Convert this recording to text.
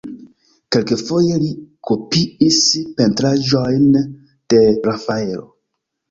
Kelkfoje li kopiis pentraĵojn de Rafaelo.